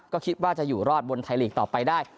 ก็คิดว่าจะอยู่รอดบนไทยลีกต่อไปได้